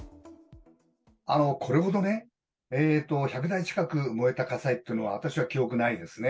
これほどね、１００台近く燃えた火災っていうのは、私は記憶ないですね。